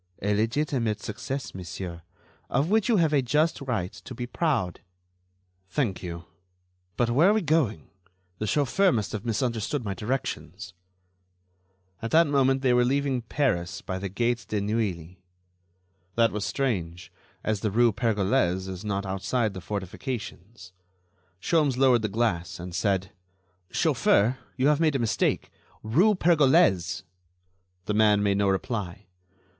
"A legitimate success, monsieur, of which you have a just right to be proud." "Thank you. But where are we going? The chauffeur must have misunderstood my directions." At that moment they were leaving Paris by the gate de Neuilly. That was strange, as the rue Pergolese is not outside the fortifications. Sholmes lowered the glass, and said: "Chauffeur, you have made a mistake.... Rue Pergolese!" The man made no reply.